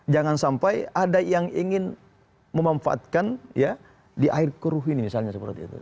jangan sampai ada yang ingin memanfaatkan ya di air keruh ini misalnya seperti itu